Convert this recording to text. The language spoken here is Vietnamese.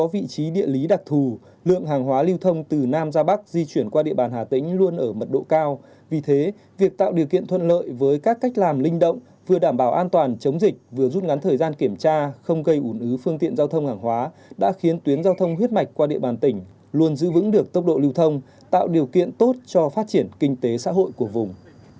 với đặc thù lượng hàng hóa lưu thông từ nam ra bắc di chuyển qua địa bàn hà tĩnh luôn ở mật độ cao vì thế việc tạo điều kiện thuận lợi với các cách làm linh động vừa đảm bảo an toàn chống dịch vừa rút ngắn thời gian kiểm tra không gây ủn ứ phương tiện giao thông hàng hóa đã khiến tuyến giao thông huyết mạch qua địa bàn tỉnh luôn giữ vững được tốc độ lưu thông tạo điều kiện tốt cho phát triển kinh tế xã hội của vùng